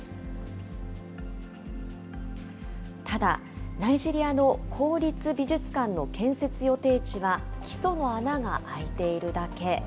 ただ、ナイジェリアの公立美術館の建設予定地は、基礎の穴が開いているだけ。